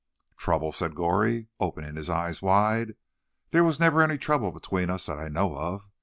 "Trouble!" said Goree, opening his eyes wide. "There was never any trouble between us that I know of.